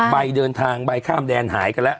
ใบเดินทางใบข้ามแดนหายกันแล้ว